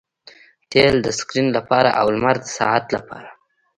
تیل د سکرین لپاره او لمر د ساعت لپاره